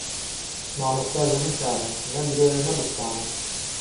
مامۆستای هەمووتانە نە درۆیە نە بووختانە